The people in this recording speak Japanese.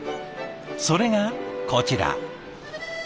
それがこちら。